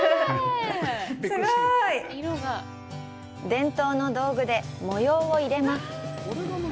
伝統の道具で模様を入れます。